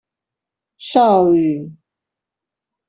邵語